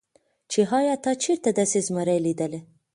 چې ايا تا چرته داسې زمرے ليدلے